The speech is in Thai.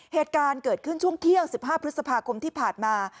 เหตุการณ์เกิดขึ้นช่วงเที่ยง๑๕พฤษภาคมที่ผ่านมา